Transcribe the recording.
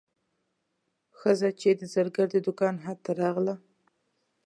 ښځه چې د زرګر د دوکان حد ته راغله.